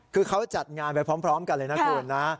คือเขาจัดงานไปพร้อมกันเลยนะคุณนะ